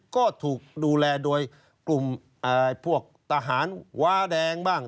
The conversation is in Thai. ก็ถูกดูแลโดยกลุ่มพวกทหารว้าแดงบ้าง